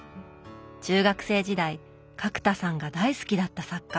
中学生時代角田さんが大好きだった作家。